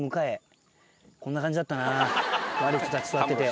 悪い人たち座ってて。